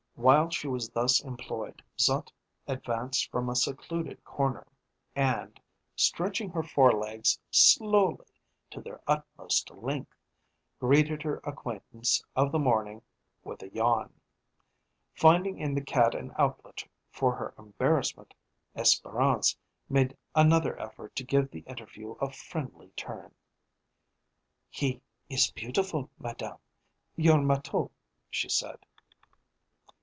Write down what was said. While she was thus employed Zut advanced from a secluded corner, and, stretching her fore legs slowly to their utmost length, greeted her acquaintance of the morning with a yawn. Finding in the cat an outlet for her embarrassment, Espérance made another effort to give the interview a friendly turn. "He is beautiful, madame, your matou," she said.